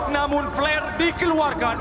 namun flare dikeluarkan